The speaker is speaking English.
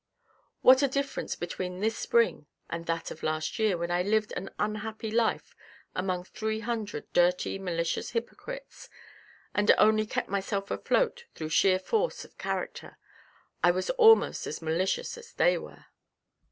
What a difference between this spring and that of last year, when I lived an unhappy life among three hundred dirty malicious hypocrites, and only kept myself afloat through sheer force of character, I was almost as malicious as they were."